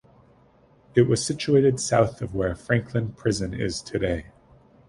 It was situated south of where Frankland Prison is today.